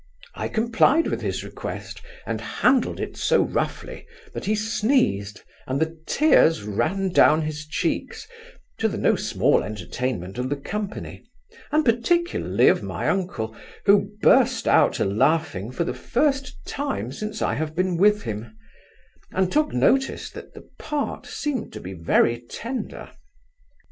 I complied with his request, and handled it so roughly, that he sneezed, and the tears ran down his cheeks, to the no small entertainment of the company, and particularly of my uncle, who burst out a laughing for the first time since I have been with him; and took notice, that the part seemed to be very tender.